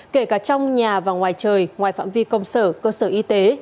kể cả trong nhà và ngoài trời ngoài phạm vi công sở cơ sở y tế